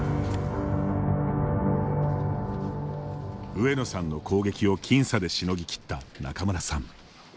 上野さんの攻撃を僅差でしのぎ切った仲邑さん。